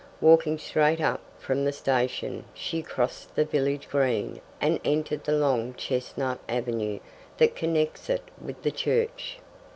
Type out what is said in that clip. Walking straight up from the station, she crossed the village green and entered the long chestnut avenue that connects it with the church.